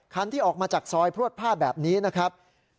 ที่ออกมาจากซอยพลวดผ้าแบบนี้นะครับ